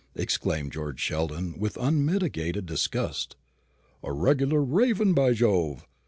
exclaimed George Sheldon with unmitigated disgust; "a regular raven, by Jove!